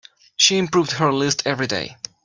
She improved her list every day.